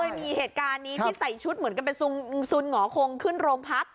มีเหตุการณ์นี้ที่ใส่ชุดเหมือนกับเป็นซุนหงอคงขึ้นโรงพัก